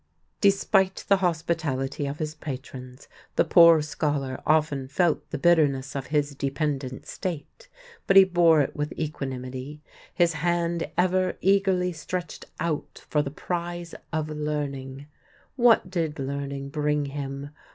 Despite the hospitality of his patrons, the poor scholar often felt the bitterness of his dependent state, but he bore it with equanimity, his hand ever eagerly stretched out for the prize of learning. What did learning bring him?